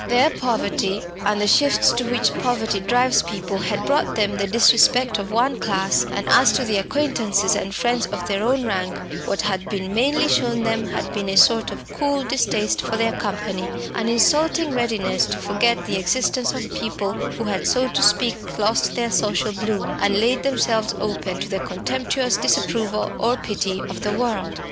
Their poverty and the shifts to which poverty drives people had brought them the disrespect of one class; and as to the acquaintances and friends of their own rank, what had been mainly shown them had been a sort of cool distaste for their company, an insulting readiness to forget the existence of people who had so to speak lost their social bloom, and laid themselves open to the contemptuous disapproval or pity of the world.